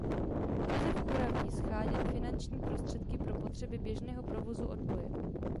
Josef Churavý sháněl finanční prostředky pro potřeby běžného „provozu“ odboje.